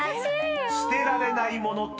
捨てられないもの？